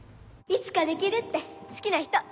いつかできるって好きな人。